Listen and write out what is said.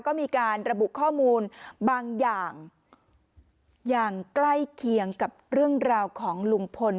ก็มีการระบุข้อมูลบางอย่างอย่างใกล้เคียงกับเรื่องราวของลุงพล